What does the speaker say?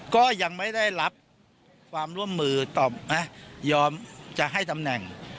ก็ยังไม่ได้รับความร่วมมือตอบนะยอมจะให้ตำแหน่ง